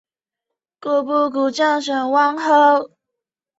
河口附近的那珂凑渔港鱼市场是附近民众购买海产的主要市场。